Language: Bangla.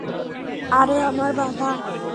আরে, আমার বাবা।